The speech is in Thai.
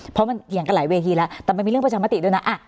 เพราะมันเถียงกันหลายเวทีแล้วแต่มันมีเรื่องประชามติด้วยนะ